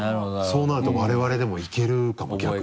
そうなると我々でもいけるかも逆に。